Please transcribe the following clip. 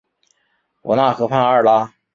罗讷河畔阿尔拉。